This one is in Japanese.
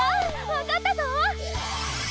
わかったぞ！